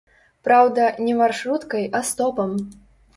Праўда, не маршруткай, а стопам.